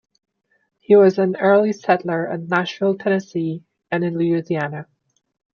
He was an early settler at Nashville, Tennessee and in Louisiana.